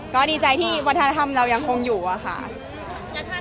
ก็ดีใจที่วัฒนธรรมเรายังคงอยู่อ่ะค่ะแล้วถ้าในฐานะที่เราเป็น